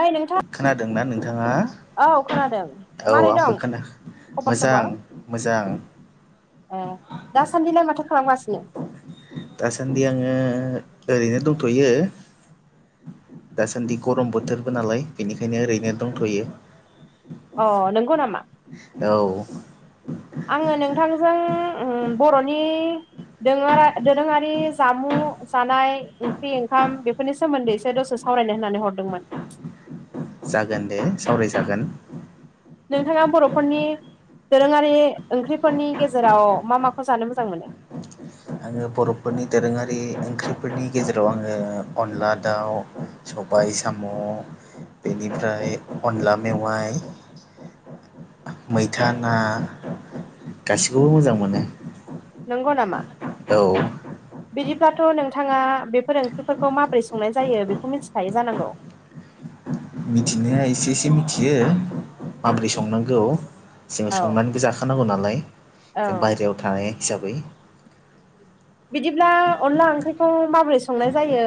ओइ नोंथां खोनादों ना नोंथाङा औ खोनादों औ मोरै आंबो दं खोना खबर मोजां सबर मोजां ए दासान्दिलाय माथो खालामगासिनो दासान्दि आङो ओरैनो दंथ'यो दासान्दि गरम बोथोरबो नालाय बेनिखायनो ओरैनो दंथ'यो अ नंगौ नामा औ आङो नोंथांजों बर'नि दोङा दोरोङारि जामुं जानाय ओंख्रि ओंखाम बेफोरनि सोमोन्दैसो दसे सावरायनाय होननानै हरदोंमोन जागोन दे सावरायजागोन नोंथाङा बर'फोरनि दोरोङारि ओंख्रिफोरनि गेजेराव मा माखौ जानो मोजां मोनो आङो बर'फोरनि दोरोङारि ओंख्रिफोरनि गेजेराव आङो अनला दाउ सबाय साम' बेनिफ्राय अनला मेवाइ मैथा ना गासिखौबो मोजां मोनो नंगौ नामा औ बिदिब्लाथ' नोंथाङा बेफोर ओंख्रिफोरखौ माबोरै संनाय जायो बेखौ मिथिखायो जानांगौ मिथिनाया एसे एसे मिथियो माबोरै संनांगौ जोङो औ संनानैबो जाखानांगौ नालाय जों औ बायेरायाव थानाय हिसाबै बिदिब्ला अनला ओंख्रिखौ माबोरै संनाय जायो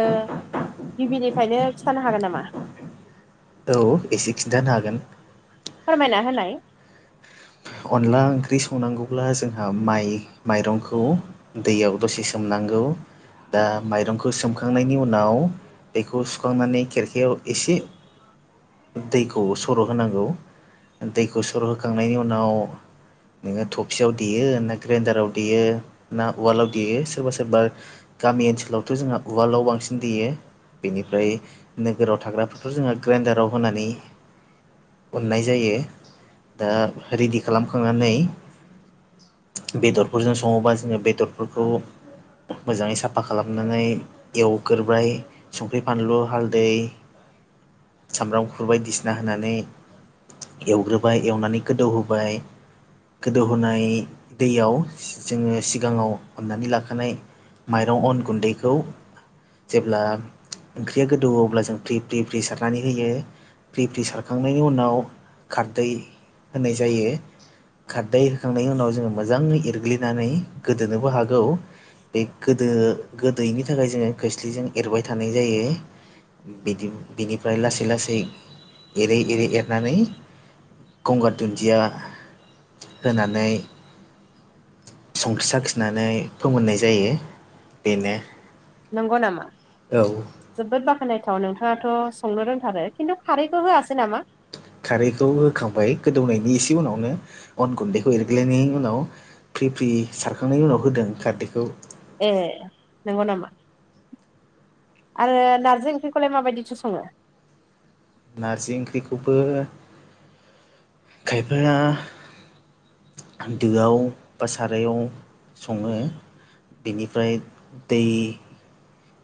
गिबिनिफ्रायनो खिन्थानो हागोन नामा औ एसे खिन्थानो हागोन फोरमायना होनाय अनला ओंख्रि संनांगौब्ला जोंहा माइ माइरंखौ दैयाव दसे सोमनांगौ दा माइरंखौ सोमखांनायनि उनाव बेखौ सुखांनानै खेरखायाव एसे दैखौ सर'हांगौ दैखौ सर'होखांनायनि उनाव नोङो थफियाव देयो ना ग्रेडाराव देयो ना उवालाव देयो सोरबा सोरबा गामि ओनसोलावथ' जोंहा उवालाव बांसिन दैयो बेनिफ्राय नोगोराव थाग्राफोरखौ जोङो ग्राइन्डाराव होनानै अननाय जायो दा रेडि खालामखांनानै बेदरफोरजों सङोबा जोङो बेदरफोरखौ मोजाङै साफा खालामनानै एवग्रोबाय संख्रि फानलु हालदै सामब्राम खुरबायदिसिना होनानै एवग्रोबाय एवनानै गोदौहोबाय गोदौहोनाय दैयाव जोङो सिगाङाव अननानै लाखानाय माइरं अन गुन्दैखौ जेब्ला ओंख्रिया गोदौ अब्ला जों फ्रि फ्रि फ्रि सारनानै होयो। प्रिफ्रि सारखांनायनि उनाव खारदै होननाय जायो। खारदै होखांनायनि उनाव जोङो मोजाङै एरग्लिनानै गोदोनोबो हागौ बे गोदो गोदैनि थाखाय जोङो खोस्लिजों एरबाय थानाय जायो। बिदि बिनिफ्राय लासै लासै एरै एरै एरनानै गंगार दुन्दिया होनानै संख्रि साखिनानै फोमोननाय जायो बेनो नंगौ नामा? औ जोबोद बाख्नायथाव नोंथाङाथ' संनो रोंथारो खिन्थु खारैखौ होआसै नामा? खारैखौ होखांबाय गोदौनायनि इसे उनावनो अन गुन्दैखौ एरग्लायनायनि उनाव फ्रि फ्रि सारखांनायनि उनाव होदों खार्दैखौ ए नंगौ नामा? आरो नारजि ओंख्रिखौलाय माबायदिसो सङो? नारजि ओंख्रिखौबो खायफाया दोआव बा सारायाव सङो बेनिफ्राय दै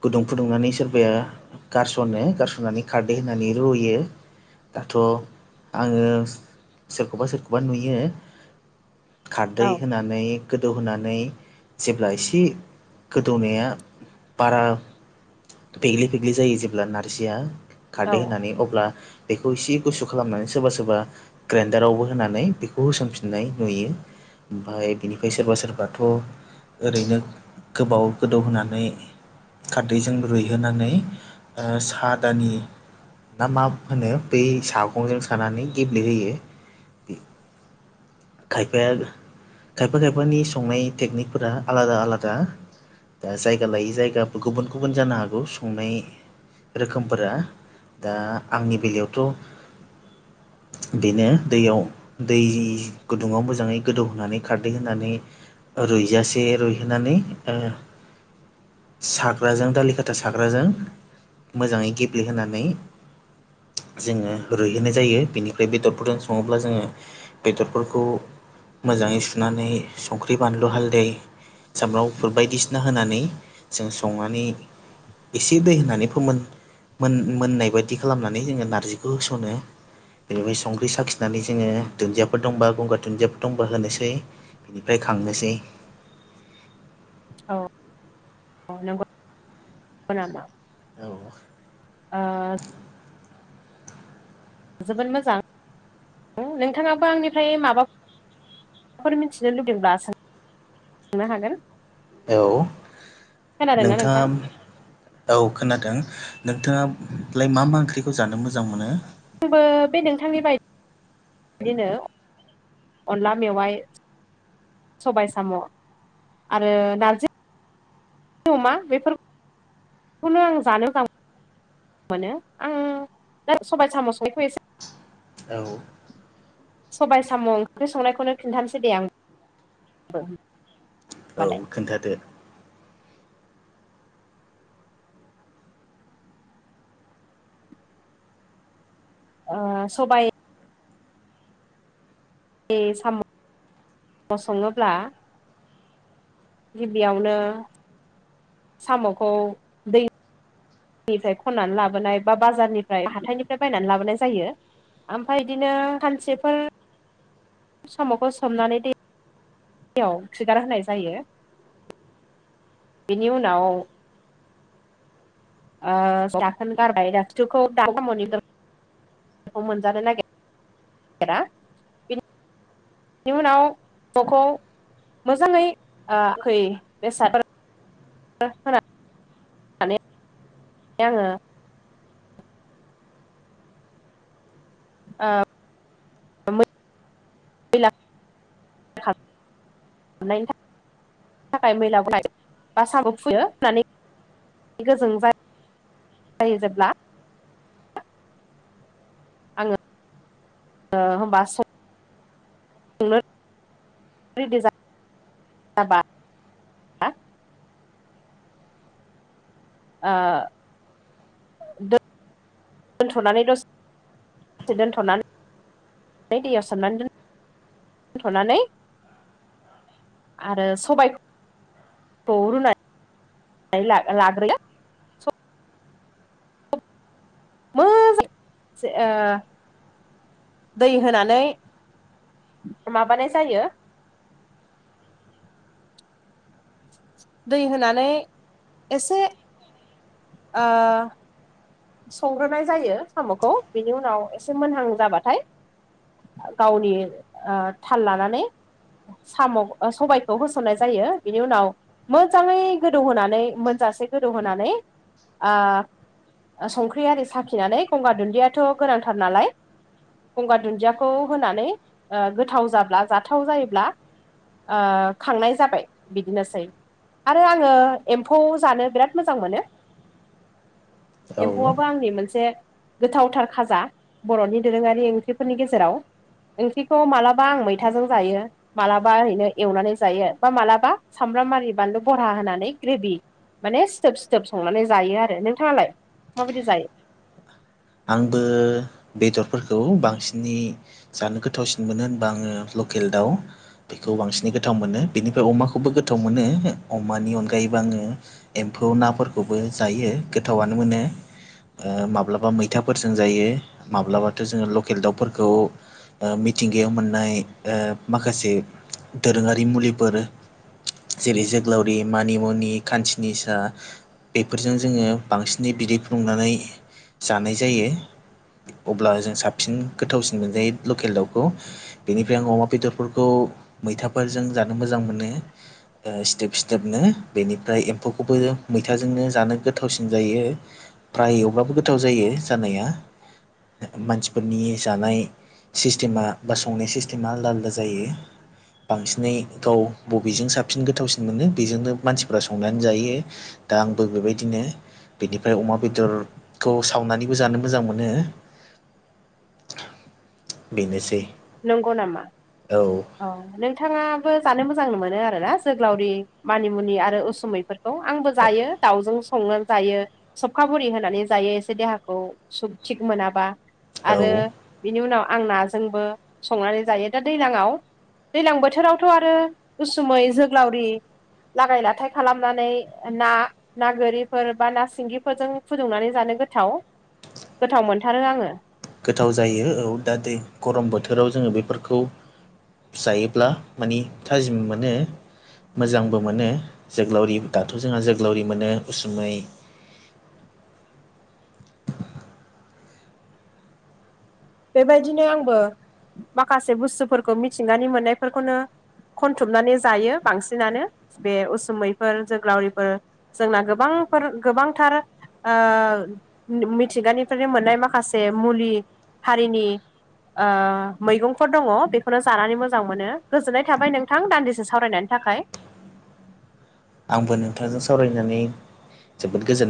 गुदुं फुदुंनानै सोरबाया गारस'नो गारस'ननानै खारदै होननानै रुयो। दाथ' आङो सोरखौबा सोरखौबा नुयो खारदै औ होनानै गोदौहोनानै जेब्ला एसे गोदौनाया बारा फेग्लि फेग्लि जायो जेब्ला नारजिया औ खारदै होननानै अब्ला बेखौ इसे गुसु खालामनानै सोरबा सोरबा ग्राइडारावबो होनानै बेखौ होसोमफिननाय नुयो। ओमफफ्राय बिनिफ्राय सोरबा सोरबाथ' ओरैनो गोबाव गोदौ होनानै खारदैजों रुइहोनानै सादानि ना मा होनो बै सागंजों सोनानै गेब्लेहोयो। खायफाया खायफा खायफानि संनाय टेकनिकफोरा आलादा आलादा दा जायगा लायै जायगा दा गुबुन गुबुन जानो हागौ संनाय रोखोमफोरा दा आंनि बेलायावथ' ् [inaudible] बेदिनो दैयाव दै गुदुङाव मोजाङै गोदौ होनोनानै खारदै होनानै रुइजासे रुइहोनानै ओ साग्राजों दालि खाथा साग्राजों मोजाङै गेब्लेहोनानै जोङो रुहोनाय जायो बेनिफ्राय बेदरफोरजों सङोब्ला जोङो बेदरफोरखौ मोजाङै सुनानै संख्रि बानलु हालदै सामब्राम गुफुर बायदिसिना होनानै जों संनानै एसे दै होनानै फोमोन मोन मोननाय बायदि खालामनानै जोङो नार्जिखौ होसनो। बेनिफ्राय संख्रि साखिनानै जोङो दुन्दियाफोर दंबा गंगार दुन्दियाफोर दंबा होनोसै। बिनिफ्राय खांनोसै। औ औ नंगौ नामा? औ ओ जोबोद मोजां नोंथाङाबो आंनिफ्राय माबा माबाफोर मिथिनो लुबैदोंल्बा सोंनो हागोन। औ खोनादोंना नोंथां नोंथाङा औ खोनादों नोंथाङालाय मा मा ओंख्रिखौ जानो मोजां मोनो? आंबो बे नोंथांनि बायदि बिदिनो अनला मेवाइ सबाय साम' आरो नारजि अमा बेफोरखौनो आं जानो मोजां मोनो आं दा सबाय साम'संनाइखौ एसे औ। सबायाइ साम' ओंख्रि संनायखौनो खिन्थानोसै दे आं औ होमबालाय खोन्थादो ओ सबाइ बे साम'' सङोब्ला गिबियावनो साम'खौ दैनिफ्राय खन्नानै लाबोनाय बा बाजारनिफ्राय हाथाइनिफ्राय बायनानै लाबोनाय जायो। ओमफ्राय बिदिनो सानसेफोर साम'खौ सोमनानै दो दैयाव खिगार होनाय जायो बेनि उनाव जखोन गारबाय दुखौ द मोनजानो नागिरा इ उनाव ज'खौ मोजाङै खै बेसाद होनानै माने आङो आ दै खालामनायनि थाखाय थाखाय मैलाखौ लायो बा साम फुयो होननानै गो जायो। जायो जेब्ला आङो होमबा संनो रेडि ज जाबा ओ [unintelligible] दोन्थ'नानै दसे दसे दोनथ'नानै ओमफ्राय दैयाव सोमनानै दोनथ'नानै आरो सबाय सरना ला लाग्रोयो मोजां ओ दै होनानै माबानाय जायो। दै होनानै एसे ओ संग्रोनाय जायो साम'खौ बिनि उनाव एसे मोनहां जाबाथाय गावनि ओ थाल लानानै साम' सबायखौ होसननाय जायो बिनि उनाव मोजाङै गोदौहोनानै मोनजासे गोदौहोनानै ओ संख्रि आरि साखिनानै गंगार दुन्दियाथ' गोनांथार नालाय गंगार दुन्दियाखौ होनानै गोथाव जाब्ला जाथाव जायोब्ला ओ खांनाय जाबाय बिदिनोसै आरो आङो एम्फौ जानो बिराद मोजां मोनो। औ एम्फौआबो आंनि मोनसे गोथावथार खाजा बर'नि दोरोङारि ओंख्रिफोरनि गेजेराव ओंख्रिखौ मालाबा आं मैथाजों जायो। मालाबा ओरैनो एवनानै जायो बा मालाबा सामब्राम आरारि बानलु बरा होनानै ग्रेभि माने सिथोब सिथोब संनानै जायो आरो नोंथाङालाय माबायदि जायो। आंबो बेदरफोरखौ बांसिनै जानो गोथावसिन मोनो होनबा आङो लकेल दाउ बेखौ बांसिनै गोथाव मोनो बेनिफ्राय अमाखौबो गोथाव मोनो अमानि अनगायैबो आङो एम्फौ नाफोरखौबो जायो गोथावनो मोनो माब्लाबा मै मैथाफोरजों जायो माब्लाबाथ' जोङो लकेल दाउफोरखौ बा मिथिंगायाव मोननाय ओ माखासे दोरोङारि मुलिफोर जेरै जोगोलावरि मानिमुनि खान्सिनिसा बेफोरजों जोङो बांसिनै बिदै फुदुंनानै जानाय जायो अब्ला जों साबसिन गोथावसिन मोनजायो लकेल दाउखौ बेनिफ्राय आं अमा बेदरफोरखौ मैथाफोरजों जानो मोजां मोनो सिथोब सिथोबनो बेनिफ्राय एम्फौखौबो मैथाजोंनो जानो गोथावसिन जायो फ्राय एवब्लाबो गोथाव जायो जानाया मानसिफोरनि जानाय सिस्टेमा बा संनाय सिस्टेमा आलदा आलदा जायो बांसिनै गाव बबेजों साबसिन गोथावसिन मोनो बेजोंनो मानसिफ्रा संनानै जायो दा आंबो बेबायदिनो बेनिफ्राय अमा बेदरखौ सावनानै बो जानो मोजां मोनो बेनोसै नंगौ नामा औ नोंथाङाबो जानो मोजां मोनो आरोना जोग्लावरि मानिमुनि आरो उसुमैफोर आंबो जायो दाउजों संनानै जायो सबखा बरि होनानै जायो एसे देहाखौ सब थिग मोनाबा औ आरो बिनि उनाव आं नाजोंबो संनानै जायो दा दैलाङाव दैलां बोथोरावथ' आरो उसुमै जोग्लावरि लागाय लाथाय खालामनानै ना ना गोरिफोर बा ना सिंगिफोरजों फुदुंनानै जानो गोथाव गोथाव मोनथारो आङो गोथाव जायो औ दा दै गरम बोथोराव जोङो बेफोरखौ। जायोब्ला मानि थाजिम मोनो मोजांबो मोनो जोग्लावरि दाथ' जोंहा जोग्लावरि मोनो उसुमै। बेबायदिनो आंबो माखासे बुस्थुफोरखौ मिथिंगानि मोननायफोरखौनो खनथुमनानै जायो बांसिनानो बे उसुमैफोर जोग्लावरिफोर जोंना गोबांफोर गोबांथार मिथिगानिफ्रायनो मोननाय माखासे मुलि हारिनि मैगंफोर दङ बेखौनो जानानै मोजां मोनो गोजोननाय थाबाय नोंथां दान्दिसे सावरायनायनि थाखाय आंबो नोंथांजों सावरायनानै जोबोद गोजोननाय